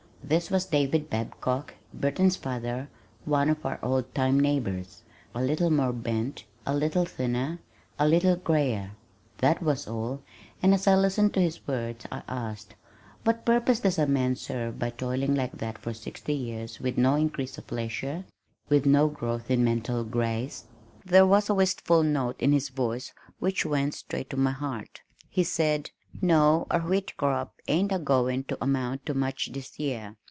This was David Babcock, Burton's father, one of our old time neighbors, a little more bent, a little thinner, a little grayer that was all, and as I listened to his words I asked, "What purpose does a man serve by toiling like that for sixty years with no increase of leisure, with no growth in mental grace?" There was a wistful note in his voice which went straight to my heart. He said: "No, our wheat crop ain't a going to amount to much this year.